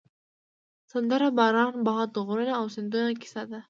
سندره د باران، باد، غرونو او سیندونو کیسه ده